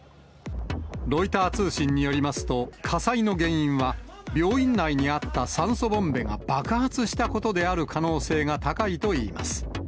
ロイター通信によりますと、火災の原因は、病院内にあった酸素ボンベが爆発したことである可能性が高いといいます。